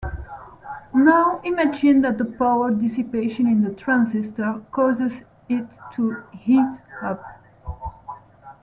Now imagine that the power dissipation in the transistor causes it to heat up.